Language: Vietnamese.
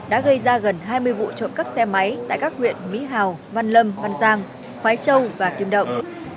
đã gây ra gần hai mươi vụ trộm cắp xe máy tại các huyện mỹ hào văn lâm văn giang khói châu và kim động